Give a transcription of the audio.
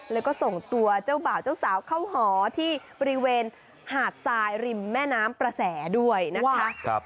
แล้วก็ส่งตัวเจ้าบ่าวเจ้าสาวเข้าหอที่บริเวณหาดทรายริมแม่น้ำประแสด้วยนะคะ